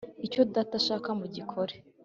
Icyo Data ashaka mugikore.